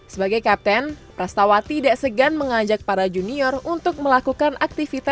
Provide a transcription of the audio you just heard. sebagai kapten pras tawa tidak segan mengajak para junior untuk melakukan aktivitas tersebut